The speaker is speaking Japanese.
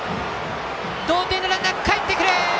同点のランナー、かえってくる。